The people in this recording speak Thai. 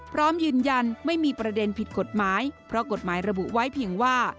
พร้อมยืนยันไม่มีประเด็นผิดกฎหมายเพราะกฎหมายระบุไว้เพียงว่า